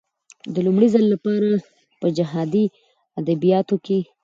د لومړي ځل لپاره په جهادي ادبياتو کې.